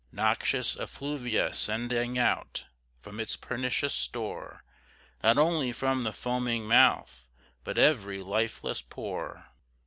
Noxious effluvia sending out From its pernicious store, Not only from the foaming mouth, But every lifeless pore.